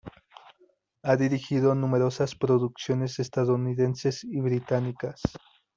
Ha dirigido numerosas producciones estadounidenses y británicas.